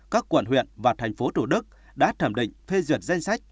các quận huyện và thành phố thủ đức đã thẩm định phê duyệt danh sách